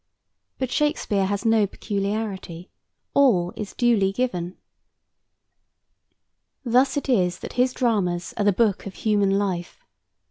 But Shakespeare has no peculiarity; all is duly given. Thus it is that his dramas are the book of human life.